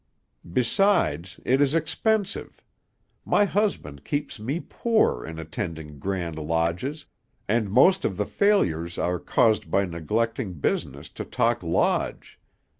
Besides, it is expensive; my husband keeps me poor in attending grand lodges, and most of the failures are caused by neglecting business to talk lodge.